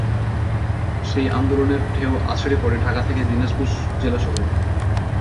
সেই আন্দোলনের ঢেউ আছড়ে পড়ে ঢাকা থেকে দিনাজপুর জেলা শহরে।